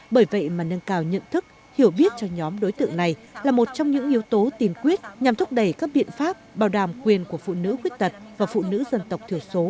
bởi vậy mà nâng cao nhận thức hiểu biết cho nhóm đối tượng này là một trong những yếu tố tiền quyết nhằm thúc đẩy các biện pháp bảo đảm quyền của phụ nữ quyết tật và phụ nữ dân tộc thiểu số